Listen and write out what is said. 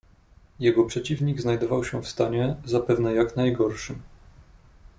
"Jego przeciwnik znajdował się w stanie, zapewne jak najgorszym."